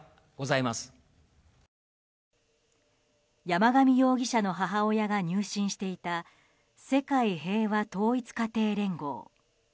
山上容疑者の母親が入信していた世界平和統一家庭連合。